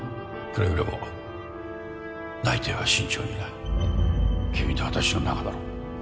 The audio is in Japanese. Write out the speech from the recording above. くれぐれも内偵は慎重にな君と私の仲だろう？